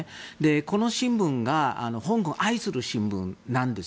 この新聞が香港を愛する新聞なんです。